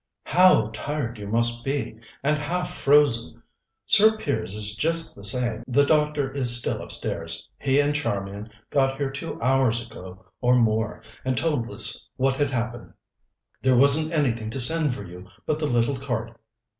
"How tired you must be, and half frozen! Sir Piers is just the same; the doctor is still upstairs. He and Charmian got here two hours ago or more, and told us what had happened. There wasn't anything to send for you but the little cart.